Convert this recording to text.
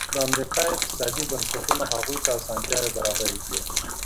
د امریکا اقتصادي بنسټونو هغوی ته اسانتیاوې برابرې کړې.